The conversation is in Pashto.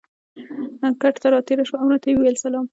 کټ ته را تېره شوه او راته یې وویل: سلام.